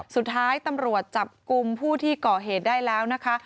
สุดท้ายตำรวจจับกลุ่มผู้ที่ก่อเหตุได้แล้วนะคะ